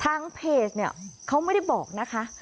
ทางเพจเนี่ยเขาไม่ได้บอกนะคะ